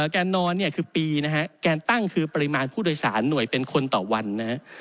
แกนนอนเนี่ยคือปีนะฮะแกนตั้งคือปริมาณผู้โดยสารหน่วยเป็นคนต่อวันนะฮะ